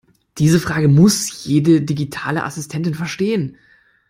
Diese Frage muss jede digitale Assistentin verstehen.